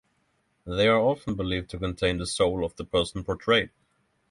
They are often believed to contain the soul of the person portrayed.